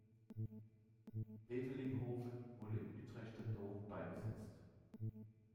Wevelinghoven wurde im Utrechter Dom beigesetzt.